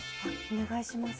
お願いします。